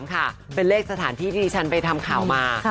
ค่ะเป็นเลขสถานที่ที่ฉันไปทำข่าวมา